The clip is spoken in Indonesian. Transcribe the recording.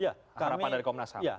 harapan dari komnas ham